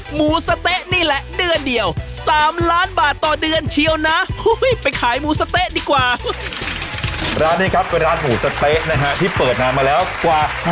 หยุดทั้งหมูสะเต๊ะที่เปิดน้ำมาแล้วกว่า